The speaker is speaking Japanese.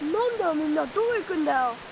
みんなどこ行くんだよ？